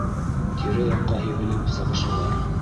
Тирә-яҡҡа һибелеп сабышалар.